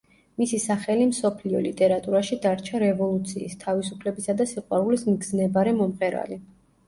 მისი სახელი მსოფლიო ლიტერატურაში დარჩა რევოლუციის, თავისუფლებისა და სიყვარულის მგზნებარე მომღერალი.